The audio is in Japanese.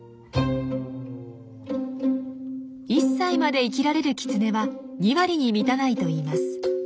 １歳まで生きられるキツネは２割に満たないといいます。